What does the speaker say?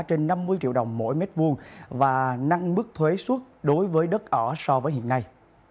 trên năm mươi triệu đồng mỗi mét vuông và nâng mức thuế xuất đối với đất ở so với hiện nay